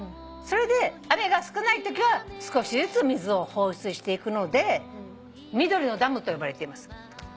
それで雨が少ないときは少しずつ水を放出していくので「緑のダム」と呼ばれています。